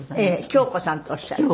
鏡子さんっておっしゃる？